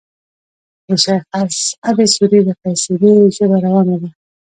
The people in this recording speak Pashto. د شېخ اسعد سوري د قصيدې ژبه روانه ده.